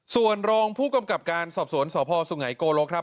ส่วนรองผู้กำกับการสอบสวนสพสุไงโกลกครับ